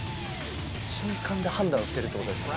瞬間で判断してるって事ですもんね。